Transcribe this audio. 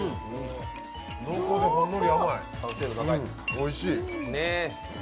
おいしい。